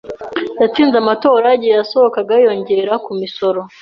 Yatsinze amatora igihe yasohokaga yiyongera ku misoro.